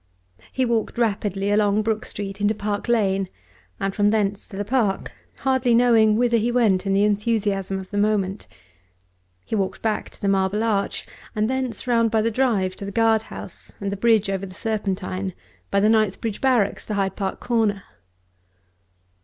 He walked rapidly along Brook Street into Park Lane, and from thence to the park, hardly knowing whither he went in the enthusiasm of the moment. He walked back to the Marble Arch, and thence round by the drive to the Guard House and the bridge over the Serpentine, by the Knightsbridge Barracks to Hyde Park Corner.